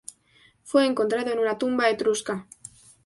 Fue encontrado en una tumba etrusca.